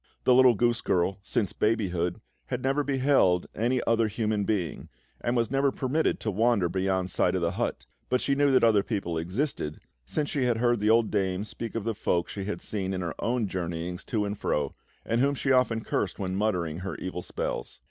The little goose girl, since babyhood, had never beheld any other human being, and was never permitted to wander beyond sight of the hut; but she knew that other people existed, since she had heard the old dame speak of the folk she had seen in her own journeyings to and fro, and whom she often cursed when muttering her evil spells.